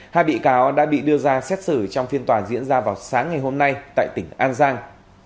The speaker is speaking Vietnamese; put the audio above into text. hai bị cáo đã bị đưa ra xét xử trong phiên tòa diễn ra vào sáng ngày hôm nay tại tỉnh an giang